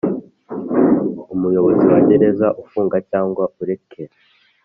Umuyobozi wa gereza ufunga cyangwa urekera